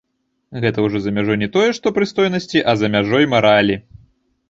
Гэта ужо за мяжой не тое што прыстойнасці, а за мяжой маралі.